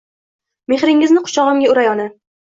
Mehringizni quchogimga uray ona